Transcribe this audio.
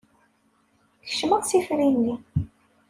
Kecmeɣ s ifri-nni.